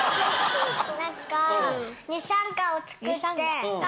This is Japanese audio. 何か。